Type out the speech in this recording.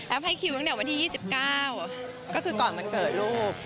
ให้คิวตั้งแต่วันที่๒๙ก็คือก่อนวันเกิดลูก